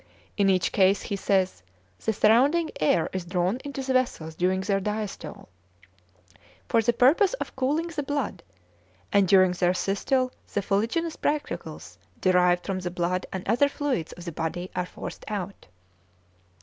In each case, he says, the surrounding air is drawn into the vessels during their diastole, for the purpose of cooling the blood, and during their systole the fuliginous particles derived from the blood and other fluids of the body are forced out.